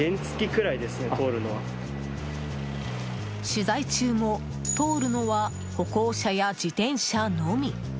取材中も、通るのは歩行者や自転車のみ。